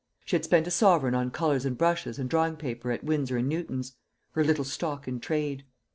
She had spent a sovereign on colours and brushes and drawing paper at Winsor and Newton's her little stock in trade.